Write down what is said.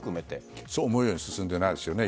思うように進んでいないですよね。